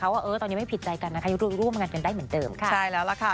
เพราะว่าตอนนี้ไม่ผิดใจกันนะคะยังร่วมร่วมกันกันได้เหมือนเดิมค่ะ